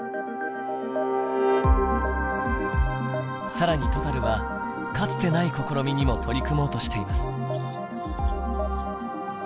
更にトタルはかつてない試みにも取り組もうとしています。